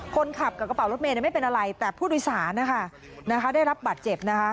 คนขับกับกระเป๋ารถเมย์ไม่เป็นอะไรแต่ผู้โดยสารนะคะได้รับบาดเจ็บนะคะ